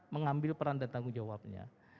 mengambil peran dan tanggung jawabnya